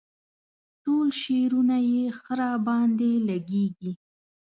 ټول شعرونه یې ښه راباندې لګيږي.